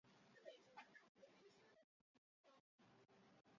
他们的任务是进球和为柱趸制造机会。